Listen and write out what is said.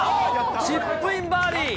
チップインバーディー。